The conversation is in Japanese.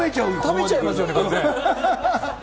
食べちゃいますよね、これね。